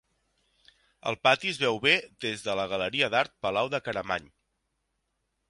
El pati es veu bé des de la galeria d'art Palau de Caramany.